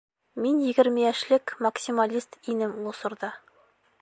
Мин егерме йәшлек максималист инем ул осорҙа.